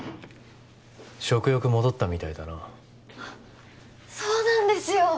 食欲戻ったみたいだなそうなんですよ